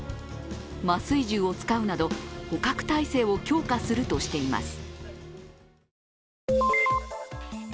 麻酔銃を使うなど捕獲態勢を強化するとしています。